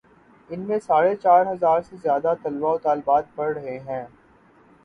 ان میں ساڑھے چار ہزار سے زیادہ طلبا و طالبات پڑھ رہے ہیں۔